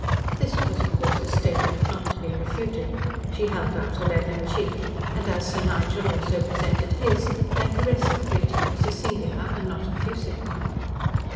This was of course a statement not to be refuted. She held out a leathern cheek, and as Sir Nigel also presented his, their caress of greeting was a singular and not effusive one.